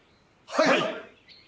はい！